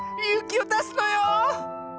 ゆうきをだすのよ！